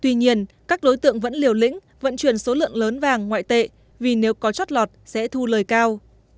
tuy nhiên các đối tượng vẫn liều lĩnh vận chuyển số lượng lớn vàng ngoại tệ vì nếu có chót lọt sẽ thu lời cao